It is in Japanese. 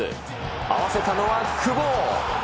合わせたのは久保。